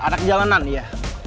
anak jalanan ya